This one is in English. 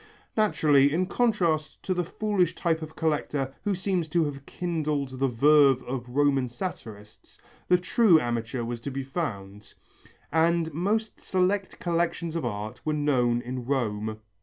Naturally, in contrast to the foolish type of collector who seems to have kindled the verve of Roman satirists, the true amateur was to be found, and most select collections of art were known in Rome.